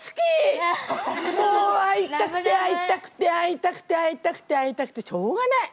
もう会いたくて会いたくて会いたくて会いたくて会いたくてしょうがない。